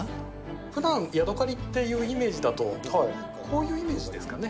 ふだん、ヤドカリっていうイメージだと、こういうイメージですかね。